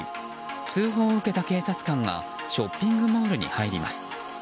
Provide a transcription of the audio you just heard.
通報を受けた警察官がショッピングモールに入ります。